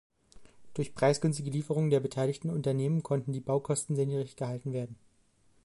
Durch preisgünstige Lieferungen der beteiligten Unternehmen konnten die Baukosten sehr niedrig gehalten werden.